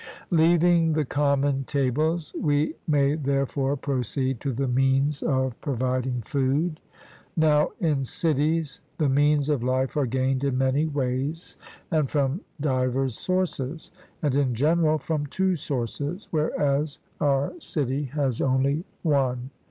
Leaving the common tables, we may therefore proceed to the means of providing food. Now, in cities the means of life are gained in many ways and from divers sources, and in general from two sources, whereas our city has only one.